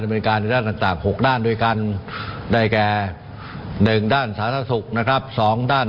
ด้วยกันใดบมากแกะหนึ่งด้านสาธารณสุขนะครับสองด้าน